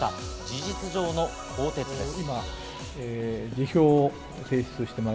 事実上の更迭です。